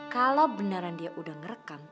kalau beneran dia udah ngerekam